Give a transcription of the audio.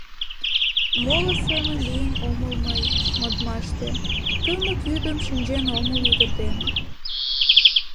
Моло семын Лийын омыл мый модмаште, Тымык йӱдым Шинчен омыл ӱдыр ден.